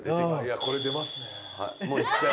いやこれ出ますね。